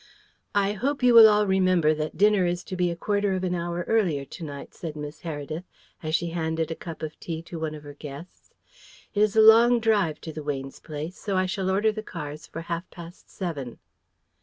"I hope you will all remember that dinner is to be a quarter of an hour earlier to night," said Miss Heredith, as she handed a cup of tea to one of her guests. "It is a long drive to the Weynes' place, so I shall order the cars for half past seven."